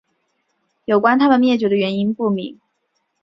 有关它们灭绝的原因不明。